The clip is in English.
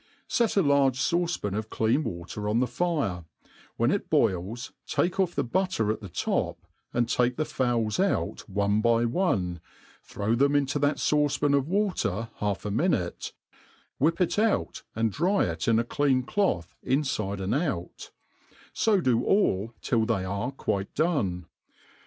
Set a Urge fauce pan of clean water on the fire; when it boils, take off the butter at the top, then take the fowls out one by one, throw them into that fauce pan of water half a tntnutc^ l^hrp it out, and dry it in a clean cloth infide and out ; fo do all till they are quite done.